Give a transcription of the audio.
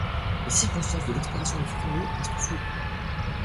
Les circonstances de l'exploration de ce tombeau restent floues.